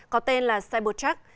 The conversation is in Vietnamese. có tên là cybertruck